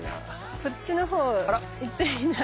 こっちのほう行ってみない？